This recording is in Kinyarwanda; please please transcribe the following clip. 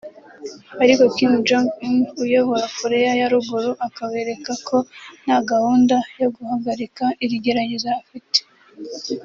ariko Kim Jong-Un uyobora Korea ya Ruguru akabereka ko nta gahunda yo guhagarika iri gerageza afite